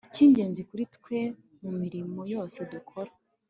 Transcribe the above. icy'ingenzi kuri twe - mu mirimo yose dukora